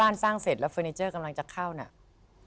แล้วเฟอร์นิเจอร์กำลังจะเข้าเนี่ย